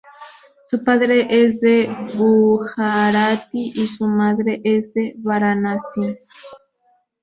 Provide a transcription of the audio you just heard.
Su padre es de Gujarati y su madre es de Varanasi.